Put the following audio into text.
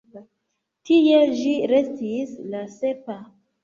Tie ĝi restis la sepa.